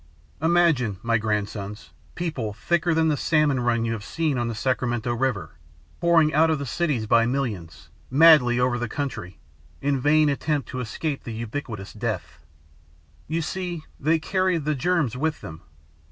Imagine, my grandsons, people, thicker than the salmon run you have seen on the Sacramento river, pouring out of the cities by millions, madly over the country, in vain attempt to escape the ubiquitous death. You see, they carried the germs with them.